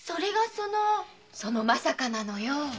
その「まさか」なのよ。